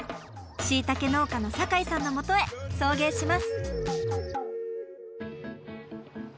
しいたけ農家の酒井さんのもとへ送迎します。